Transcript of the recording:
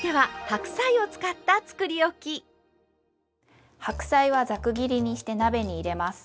白菜はざく切りにして鍋に入れます。